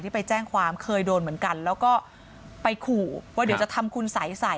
ไปแจ้งความเคยโดนเหมือนกันแล้วก็ไปขู่ว่าเดี๋ยวจะทำคุณสัยใส่